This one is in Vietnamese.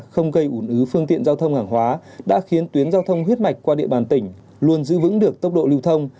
không gây ủn ứ phương tiện giao thông hàng hóa đã khiến tuyến giao thông huyết mạch qua địa bàn tỉnh luôn giữ vững được tốc độ lưu thông